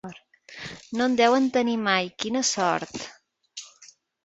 No en deuen tenir mai, quina sort.